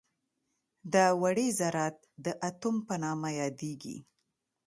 دا وړې ذرات د اتوم په نامه یادیږي.